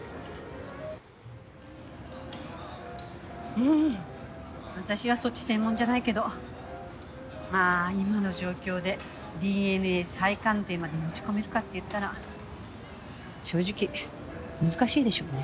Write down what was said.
うん私はそっち専門じゃないけどまあ今の状況でＤＮＡ再鑑定まで持ち込めるかっていったら正直難しいでしょうね。